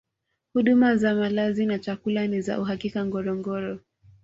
huduma za malazi na chakula ni za uhakika ngorongoro